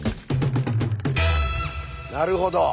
なるほど。